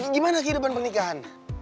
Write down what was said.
eh gimana kehidupan pernikahan